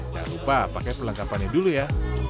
jangan lupa pakai perlengkapannya dulu ya